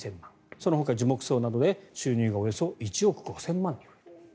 そのほか樹木葬などで収入がおよそ１億５０００万円。